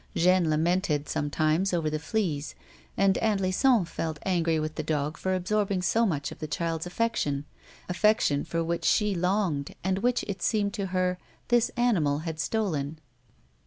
Jeanne lamented sometimes over the fleas, and Aunt Lison felt angry with tlie dog for absorbing so much of the child's affection, affection for which she longed, and which, it seemed to her, this animal had stolen.